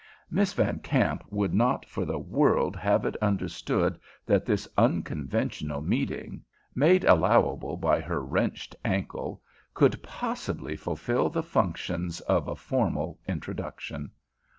Miss Van Kamp would not for the world have it understood that this unconventional meeting, made allowable by her wrenched ankle, could possibly fulfill the functions of a formal introduction.